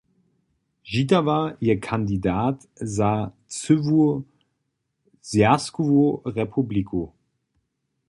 Žitawa je kandidat za cyłu zwjazkowu republiku.